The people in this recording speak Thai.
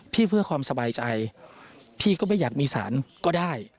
เพื่อความสบายใจพี่ก็ไม่อยากมีสารก็ได้